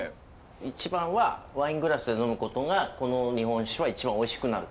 一番はワイングラスで呑むことがこの日本酒は一番おいしくなるから。